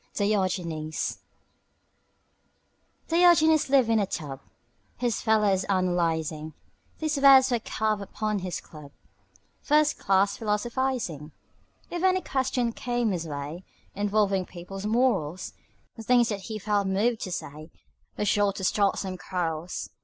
DIOGENES Diogenes lived in a tub His fellows analyzing; These words were carved upon his club: "First Class Philosophizing." If any question came his way Involving people's morals, The things that he felt moved to say Were sure to start some quarrels.